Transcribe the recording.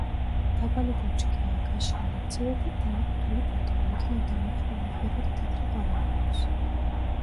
დაბალი ბუჩქია, გაშლილი, მცირედ დანაკვთული ფოთოლი, ოდნავ დამუხლული ღერო და თეთრი ყვავილი აქვს.